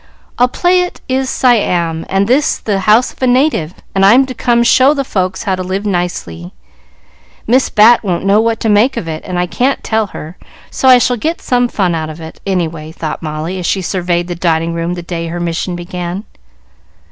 "I'll play it is Siam, and this the house of a native, and I'm come to show the folks how to live nicely. Miss Bat won't know what to make of it, and I can't tell her, so I shall get some fun out of it, any way," thought Molly, as she surveyed the dining room the day her mission began.